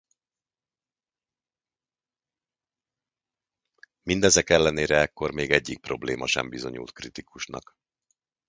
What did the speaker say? Mindezek ellenére ekkor még egyik probléma sem bizonyult kritikusnak.